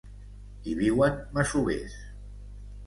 Hi viuen masovers.